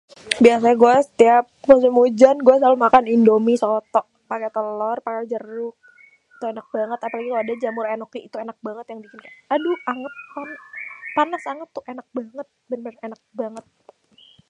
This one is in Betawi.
Biasanya gua setiap musim ujan, gua selalu makan Indomiè soto paké telor, paké jeruk. Itu ènak banget. Apalagi kalo ada jamur ènoki. Itu ènak banget yang bikin kayak, aduh, anget, panas anget tuh enak banget. Bener ènak banget.